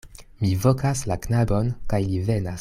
Mi vokas la knabon, kaj li venas.